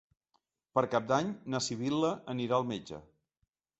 Per Cap d'Any na Sibil·la anirà al metge.